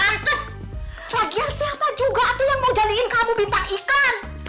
lagian siapa juga yang mau jalin kamu bintang ikan